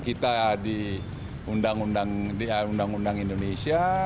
kita di undang undang indonesia